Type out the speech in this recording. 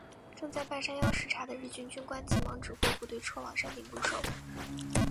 正在半山腰视察的日军军官急忙指挥部队撤往山顶固守。